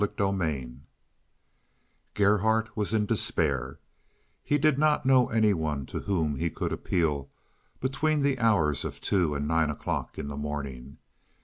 CHAPTER VII Gerhardt was in despair; he did not know any one to whom he could appeal between the hours of two and nine o'clock in the morning.